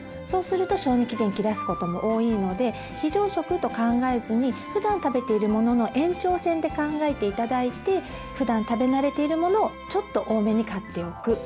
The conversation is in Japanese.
そうすると賞味期限切らすことも多いので非常食と考えずにふだん食べているものの延長線で考えて頂いてふだん食べ慣れているものをちょっと多めに買っておく。